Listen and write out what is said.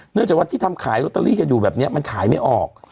จากวัดที่ทำขายลอตเตอรี่กันอยู่แบบนี้มันขายไม่ออก